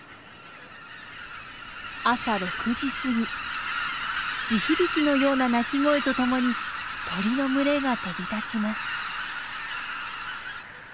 朝６時すぎ地響きのような鳴き声と共に鳥の群れが飛び立ちます。